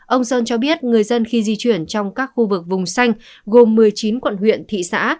ông sơn cho biết người dân khi di chuyển trong các khu vực vùng xanh gồm một mươi chín quận huyện thị xã